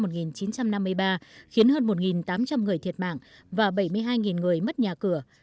năm một nghìn chín trăm năm mươi ba khiến hơn một tám trăm linh người thiệt mạng và bảy mươi hai người mất nhà cửa